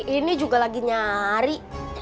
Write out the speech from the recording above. ini juga lagi nyari